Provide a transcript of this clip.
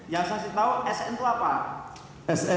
yang saksi tahu sn itu apa